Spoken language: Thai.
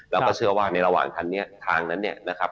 เราก็เชื่อว่าในระหว่างคันนี้ทางนั้นเนี่ยนะครับ